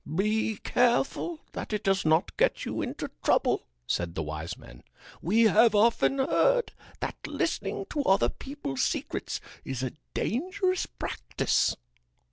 "Be careful that it does not get you into trouble," said the wise men. "We have often heard that listening to other people's secrets is a dangerous practice."